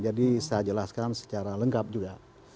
jadi saya jelaskan secara lengkap juga